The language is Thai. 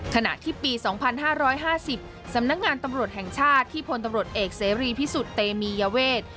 ขณะที่ปี๒๕๕๐สำนักงานตำรวจแห่งชาติที่พลตำรวจเอกเสรีพิสุทธิ์เตมียเวท